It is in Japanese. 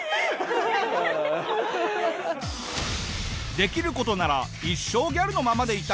できる事なら一生ギャルのままでいたい。